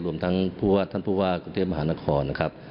รวมทั้งผู้ว่าท่านผู้ว่ากรุงเทพมหานครนะครับ